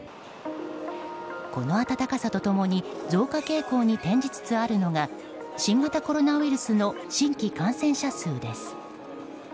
この暖かさと共に増加傾向に転じつつあるのが新型コロナウイルスの新規感染者数です。